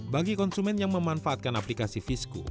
bagi konsumen yang memanfaatkan aplikasi fisku